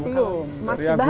belum dari agustus